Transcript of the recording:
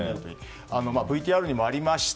ＶＴＲにもありました